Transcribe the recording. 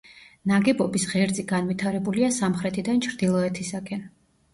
ნაგებობის ღერძი განვითარებულია სამხრეთიდან ჩრდილოეთისაკენ.